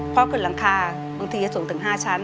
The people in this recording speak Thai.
พอขึ้นหลังคาบางทีจะสูงถึง๕ชั้น